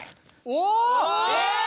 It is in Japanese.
お！